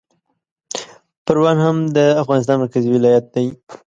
پروان هم د افغانستان مرکزي ولایت دی